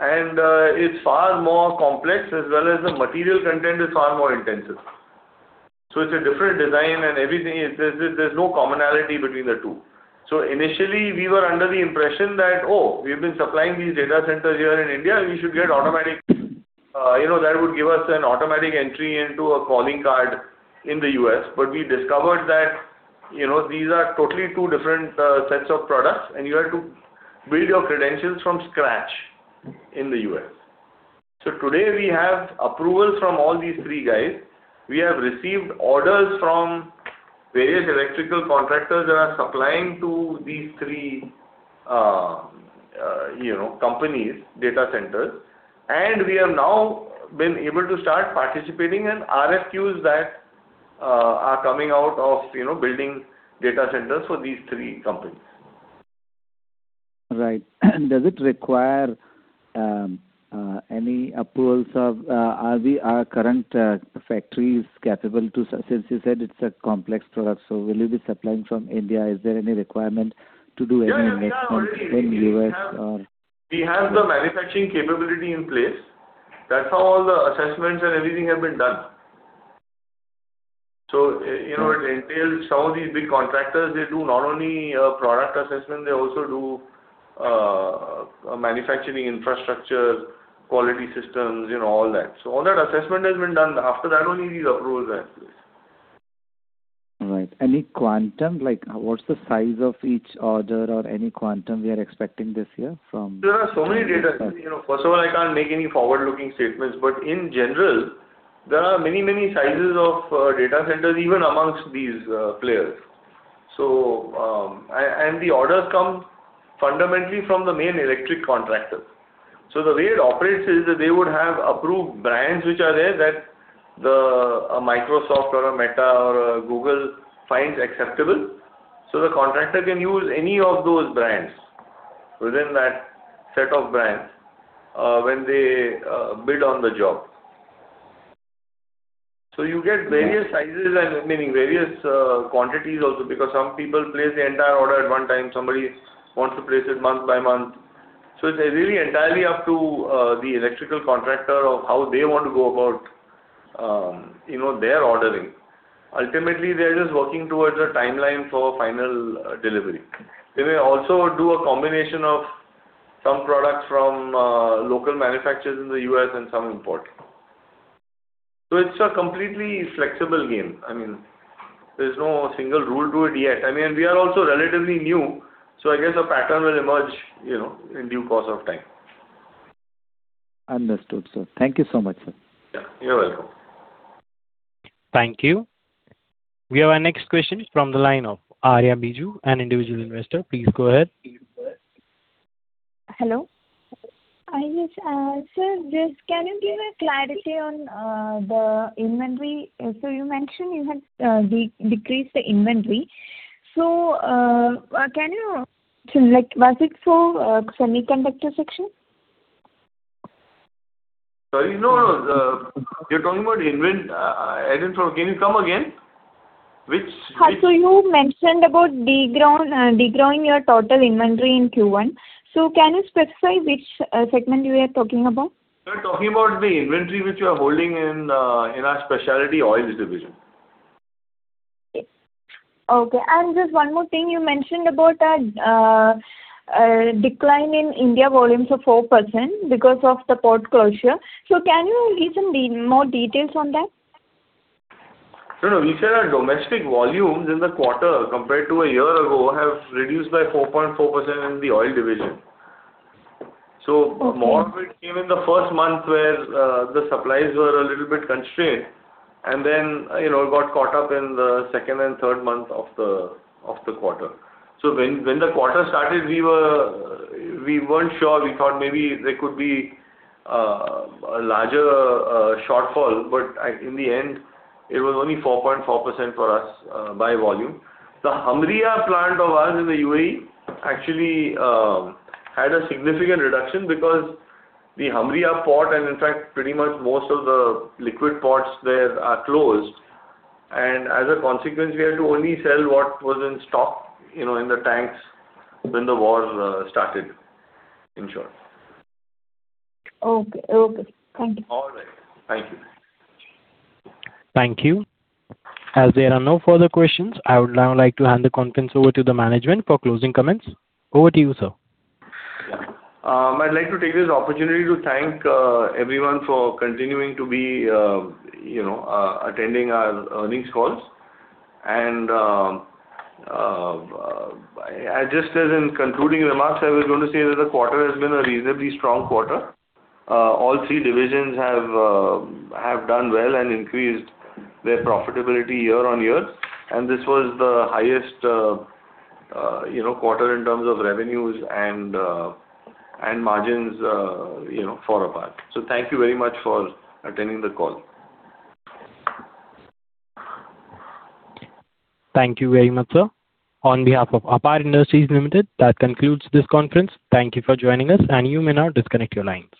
and it's far more complex as well as the material content is far more intensive. It's a different design and everything. There's no commonality between the two. Initially we were under the impression that, "Oh, we've been supplying these data centers here in India. That would give us an automatic entry into a calling card in the U.S." We discovered that these are totally two different sets of products and you have to build your credentials from scratch in the U.S. Today we have approvals from all these three guys. We have received orders from various electrical contractors that are supplying to these three companies, data centers, and we have now been able to start participating in RFQs that are coming out of building data centers for these three companies. Right. Does it require any approvals? Are current factories capable to? Since you said it's a complex product, will you be supplying from India? Is there any requirement to do any investment in U.S.? We have the manufacturing capability in place. That's how all the assessments and everything have been done. It entails some of these big contractors. They do not only product assessment, they also do manufacturing infrastructure, quality systems, all that. All that assessment has been done. After that, only these approvals are in place. Right. Any quantum, like what's the size of each order or any quantum we are expecting this year from? There are so many data centers. First of all, I can't make any forward-looking statements, but in general, there are many sizes of data centers even amongst these players. The orders come fundamentally from the main electric contractor. The way it operates is that they would have approved brands which are there that a Microsoft or a Meta or a Google finds acceptable. The contractor can use any of those brands within that set of brands when they bid on the job. You get various sizes and meaning various quantities also because some people place the entire order at one time. Somebody wants to place it month by month. It's really entirely up to the electrical contractor of how they want to go about their ordering. Ultimately they're just working towards a timeline for final delivery. They may also do a combination of some products from local manufacturers in the U.S. and some import. It's a completely flexible game. There's no single rule to it yet. We are also relatively new, so I guess a pattern will emerge in due course of time. Understood, sir. Thank you so much, sir. You're welcome. Thank you. We have our next question from the line of Aria Biju, an individual investor. Please go ahead. Hello. Hi, yes. Sir, can you give a clarity on the inventory? You mentioned you had decreased the inventory. Was it for semiconductor section? Sorry, no. You're talking about I didn't follow. Can you come again? You mentioned about de-growing your total inventory in Q1. Can you specify which segment you were talking about? We are talking about the inventory which we are holding in our specialty oils division. Okay. Just one more thing, you mentioned about a decline in India volumes of 4% because of the port closure. Can you give some more details on that? No, we said our domestic volumes in the quarter compared to a year ago have reduced by 4.4% in the Oil division. More of it came in the first month where the supplies were a little bit constrained and then got caught up in the second and third month of the quarter. When the quarter started, we weren't sure. We thought maybe there could be a larger shortfall, but in the end it was only 4.4% for us by volume. The Hamriyah plant of ours in the U.A.E. actually had a significant reduction because the Hamriyah port, and in fact pretty much most of the liquid ports there are closed. As a consequence, we had to only sell what was in stock in the tanks when the war started, in short. Okay. Thank you. All right. Thank you. Thank you. As there are no further questions, I would now like to hand the conference over to the management for closing comments. Over to you, sir. I'd like to take this opportunity to thank everyone for continuing to be attending our earnings calls. Just as in concluding remarks, I was going to say that the quarter has been a reasonably strong quarter. All three divisions have done well and increased their profitability year-on-year. This was the highest quarter in terms of revenues and margins for APAR. Thank you very much for attending the call. Thank you very much, sir. On behalf of APAR Industries Limited, that concludes this conference. Thank you for joining us and you may now disconnect your lines.